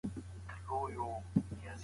د عرضې او تقاضا ترمنځ انډول ساتل اړين دي.